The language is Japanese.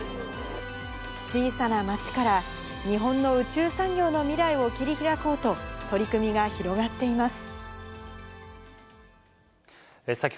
小さな町から、日本の宇宙産業の未来を切り開こうと、取り組みが広がっています。